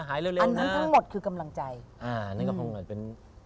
เร็วอันนั้นทั้งหมดคือกำลังใจอ่านั่นก็คงหน่อยเป็น